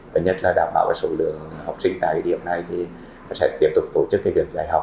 và nhất là đảm bảo số lượng học sinh tại điểm này thì sẽ tiếp tục tổ chức việc giải học